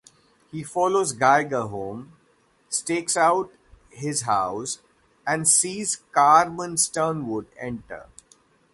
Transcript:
He follows Geiger home, stakes out his house, and sees Carmen Sternwood enter.